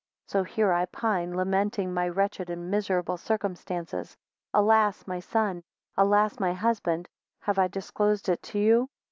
27 So here I pine, lamenting my wretched and miserable circumstances. Alas, my son! alas, my husband; Have I disclosed it to you?